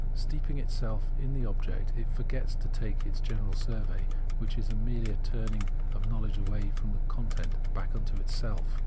Steeping itself in its object, it forgets to take that general survey, which is merely a turning of knowledge away from the content back into itself.